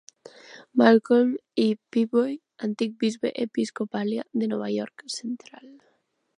Malcolm E. Peabody, antic bisbe episcopalià de Nova York Central.